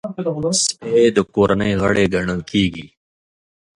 سپي د کورنۍ غړی ګڼل کېږي.